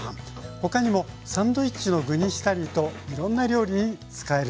他にもサンドイッチの具にしたりといろんな料理に使えるそうです。